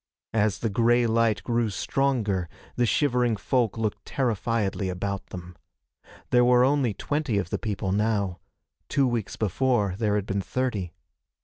As the gray light grew stronger the shivering folk looked terrifiedly about them. There were only twenty of the people now. Two weeks before there had been thirty.